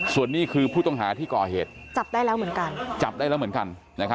ส่วนนี้คือผู้ต้องหาที่ก่อเหตุจับได้แล้วเหมือนกัน